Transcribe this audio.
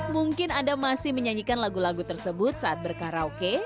mungkin anda masih menyanyikan lagu lagu tersebut saat berkaraoke